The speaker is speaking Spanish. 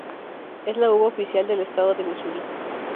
Es la uva oficial del estado de Missouri.